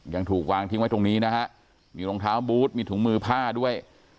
ยังถูกวางทิ้งไว้ตรงนี้นะฮะมีรองเท้าบูธมีถุงมือผ้าด้วย